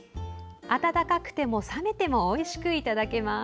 温かくても冷めてもおいしくいただけます。